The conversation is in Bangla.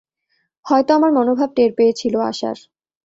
হয়তো আমার মনোভাব টের পেয়েছিল আশার।